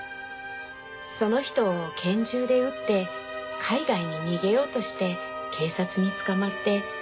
その人を拳銃で撃って海外に逃げようとして警察に捕まって。